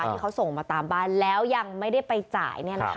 ที่เขาส่งมาตามบ้านแล้วยังไม่ได้ไปจ่าย